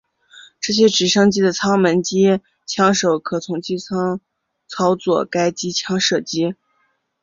这些直升机的舱门机枪手可从机舱操作该机枪射击。